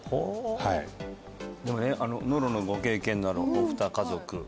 はいでもねノロのご経験のあるお二家族